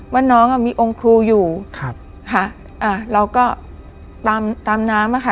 ว่าน้องอ่ะมีองค์ครูอยู่ครับค่ะอ่าเราก็ตามตามน้ำอ่ะค่ะ